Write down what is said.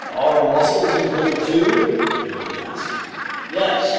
"Are mussels included too?" the Canadian asked. "Yes!